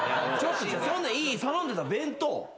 そんないい頼んでた弁当。